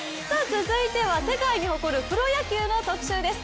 続いては世界に誇るプロ野球の特集です。